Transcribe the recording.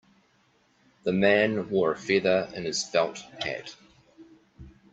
The man wore a feather in his felt hat.